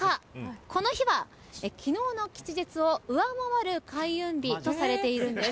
この日は、昨日の吉日を上回る開運日とされているんです。